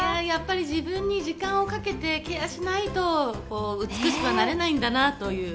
自分に時間をかけてケアしないと、美しくなれないんだなと。